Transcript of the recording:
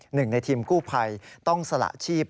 หนึ่งในทีมกู้ภัยต้องสละชีพ